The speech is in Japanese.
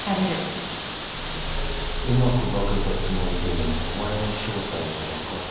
「うまくバケたつもりでもお前の正体は判っている」